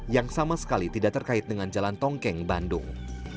yang sama sekali tidak terkait dengan jalan tongkeng bandung